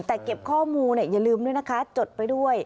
แต่เก็บข้อมูลอย่าลืมด้วยนะคะจดไปด้วย